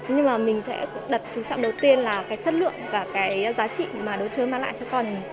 nhưng mà mình sẽ đặt chú trọng đầu tiên là cái chất lượng và cái giá trị mà đấu trường mang lại cho con